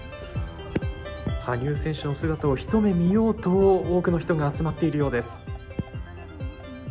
羽生選手の姿を一目見ようと多くの人が集まっているようです。